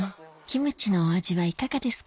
キムチのお味はいかがですか？